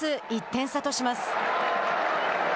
１点差とします。